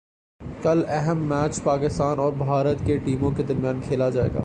کل اہم میچ پاکستان اور بھارت کی ٹیموں کے درمیان کھیلا جائے گا